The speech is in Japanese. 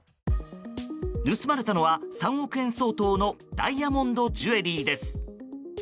盗まれたのは、３億円相当のダイヤモンドジュエリーです。